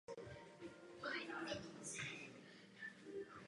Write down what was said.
Mají proto podobnou filosofii.